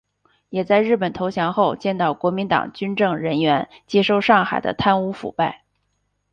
也在日本投降后见到国民党军政人员接收上海的贪污腐败。